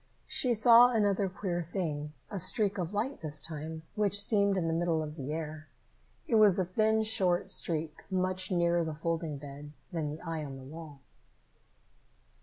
She saw another queer thing, a streak of light this time, which seemed in the middle of the air. It was a thin, short streak, much nearer the folding bed than the eye on the wall.